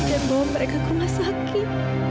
dan bawa mereka ke rumah sakit